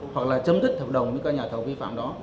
hoặc là chấm dứt hợp đồng với các nhà thầu vi phạm đó